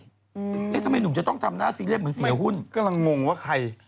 เอ๊ะทำไมหนุ่มจะต้องทำหน้าซีเรียสเหมือนเสียหุ้นกำลังงงว่าใคร